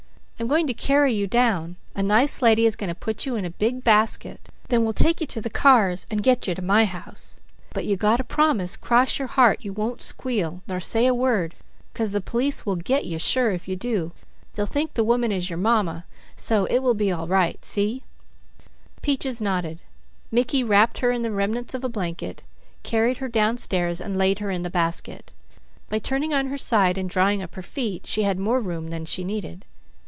I'm going to carry you down; a nice lady is going to put you in a big basket, then we'll take you to the cars and so get you to my house; but you got to promise, 'cross your heart, you won't squeal, nor say a word, 'cause the police will 'get' you sure, if you do. They'll think the woman is your ma, so it will be all right. See?" Peaches nodded. Mickey wrapped her in the remnants of a blanket, carried her downstairs and laid her in the basket. By turning on her side and drawing up her feet, she had more room than she needed.